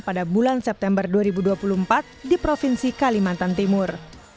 pada bulan september dua ribu dua puluh empat di provinsi kalimantan timur